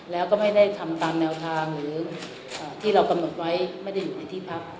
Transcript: แล้วก็ไม่ได้ทำตามแนวทางหรือที่เรากำหนดไว้ไม่ได้อยู่ในที่พัก